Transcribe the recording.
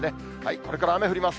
これから雨降ります。